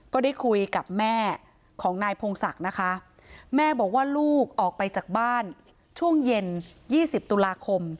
ก็ได้คุยกับแม่ของนายพงศักดิ์นะคะแม่บอกว่าลูกออกไปจากบ้านช่วงเย็น๒๐ตุลาคม